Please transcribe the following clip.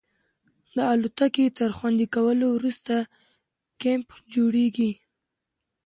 د الوتکې تر خوندي کولو وروسته کیمپ جوړیږي